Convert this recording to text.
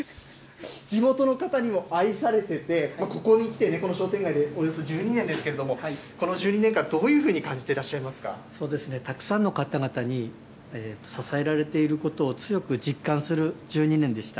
地元の方にも愛されてて、ここにきてね、この商店街でおよそ１２年ですけれども、この１２年間、どういうふうに感じてらっしゃいそうですね、たくさんの方々に支えられていることを強く実感する１２年でした。